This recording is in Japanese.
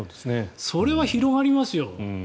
それは広がりますよ。